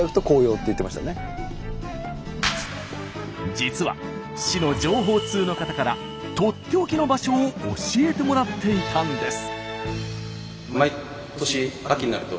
実は市の情報通の方からとっておきの場所を教えてもらっていたんです。